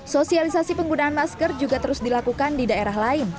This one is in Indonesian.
sosialisasi penggunaan masker juga terus dilakukan di daerah lain